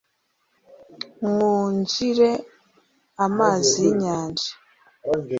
Mwunjire amazi y inyanja.